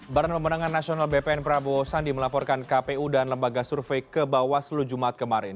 barang pemenangan nasional bpn prabowo sandi melaporkan kpu dan lembaga survei ke bawaslu jumat kemarin